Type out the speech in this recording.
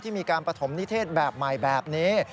มีการปฐมนิเทศแบบใหม่แบบนี้